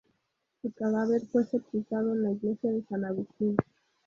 Su cadáver fue sepultado en la iglesia de San Agustín.